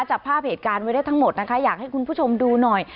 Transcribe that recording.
จับภาพเหตุการณ์ไว้ได้ทั้งหมดนะคะอยากให้คุณผู้ชมดูหน่อย